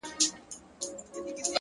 وخت د ټولو لپاره برابر شتمن دی,